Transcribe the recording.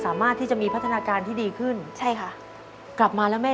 สามารถที่จะมีพัฒนาการที่ดีขึ้นใช่ค่ะกลับมาแล้วแม่